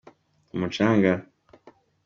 umucanga.